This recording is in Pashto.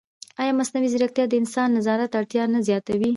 ایا مصنوعي ځیرکتیا د انساني نظارت اړتیا نه زیاتوي؟